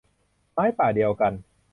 ไม้ป่าเดียวกัน